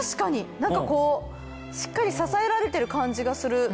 何かこうしっかり支えられてる感じがする。